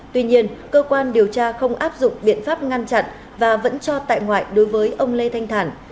tuy nhiên cơ quan điều tra không áp dụng biện pháp ngăn chặn và vẫn cho tại ngoại đối với ông lê thanh thản